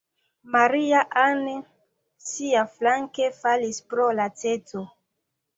Maria-Ann, siaflanke, falis pro laceco.